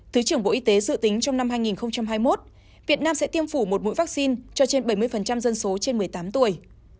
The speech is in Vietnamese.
thứ trưởng bộ y tế dự tính trong năm hai nghìn hai mươi một việt nam sẽ tiêm phủ một mũi vaccine cho trên bảy mươi dân số trên một mươi tám tuổi